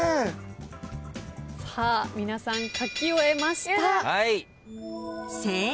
さあ皆さん書き終えました。